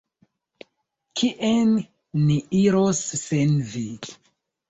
Kien ni iros sen vi?